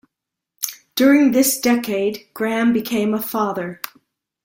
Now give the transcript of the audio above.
During this decade, Grahame became a father.